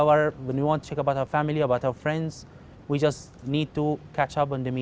sekarang hospitalnya berhasil berlari